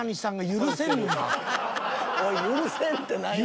許せんって何やねん。